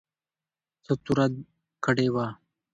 څه توره کړې وه.